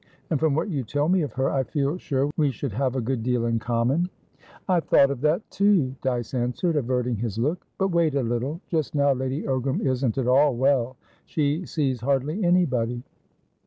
And, from what you tell me of her, I feel sure we should have a good deal in common." "I've thought of that too," Dyce answered, averting his look. "But wait a little. Just now Lady Ogram isn't at all well; she sees hardly anybody."